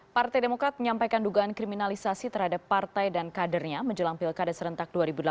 partai demokrat menyampaikan dugaan kriminalisasi terhadap partai dan kadernya menjelang pilkada serentak dua ribu delapan belas